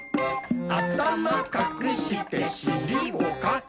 「あたまかくしてしりもかく！」